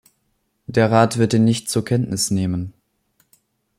Der Rat wird ihn nicht zur Kenntnis nehmen.